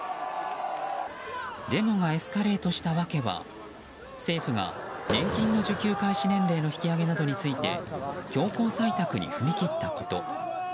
デモがエスカレートした訳は政府が年金の受給開始年齢の引き上げなどについて強行採択に踏み切ったこと。